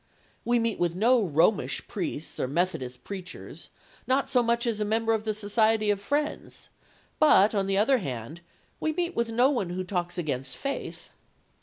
We meet with no Romish priests or Methodist preachers, not so much as a member of the Society of Friends, but, on the other hand, we meet with no one who talks against faith.